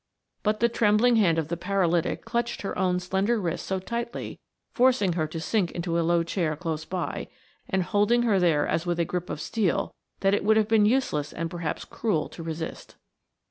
But the trembling hand of the paralytic clutched her own slender wrist so tightly, forcing her to sink into a low chair close by, and holding her there as with a grip of steel, that it would have been useless and perhaps cruel to resist.